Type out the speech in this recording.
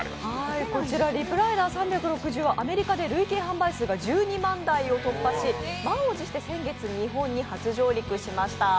こちらリップライダー３６０はアメリカで累計販売数が１２万台を突破し満を持して先月日本に初上陸しました。